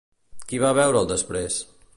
Qui va veure'l després?